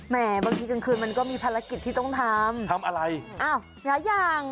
บางทีกลางคืนมันก็มีภารกิจที่ต้องทำทำอะไรอ้าวหลายอย่าง